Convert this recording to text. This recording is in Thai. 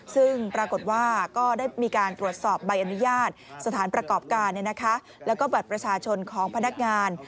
ซึ่งปรากฏว่าก็ได้มีการตรวจสอบใบอนุญาตสถานประกอบการแล้วก็บัตรประชาชนของพนักงาน